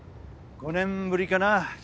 ５年ぶりかな。